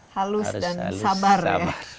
halus dan sabar ya